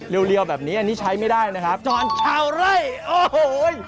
เรียวแบบนี้อันนี้ใช้ไม่ได้นะครับจรชาวไร่โอ้โห